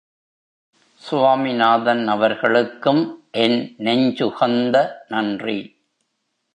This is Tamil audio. சுவாமிநாதன் அவர்களுக்கும் என் நெஞ்சுகந்த நன்றி.